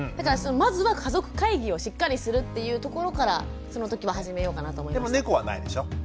だからまずは家族会議をしっかりするっていうところからその時は始めようかなと思いました。